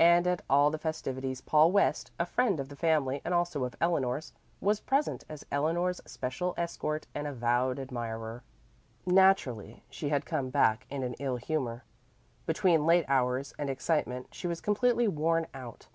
And at all the festivities Paul West, a friend of the family and also of Eleanor's, was present as Eleanor's special escort and avowed admirer. Naturally she had come back in an ill humor. Between late hours and excitement she was completely worn out.